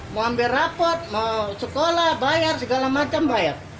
mau ambil rapot mau sekolah bayar segala macam bayar